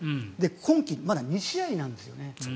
今季、まだ２試合なんですよね。